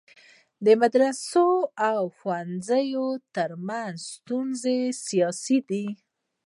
د مدرسي او ښوونځی ترمنځ ستونزه سیاسي ده.